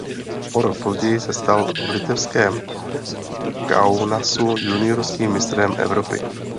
O rok později se stal v litevském Kaunasu juniorským mistrem Evropy.